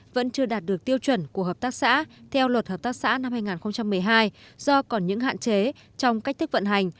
vẫn chưa đạt được tiêu chuẩn của hợp tác xã theo luật hợp tác xã năm hai nghìn một mươi hai do còn những hạn chế trong cách thức vận hành